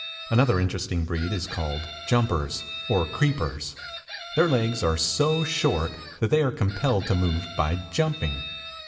Another interesting breed is called "Jumpers" or "Creepers." Their legs are so short that they are compelled to move by jumping.